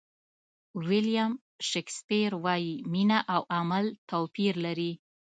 ویلیام شکسپیر وایي مینه او عمل توپیر لري.